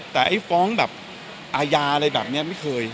แต่ฟ้องอะไรแบบนี้ไม่เคย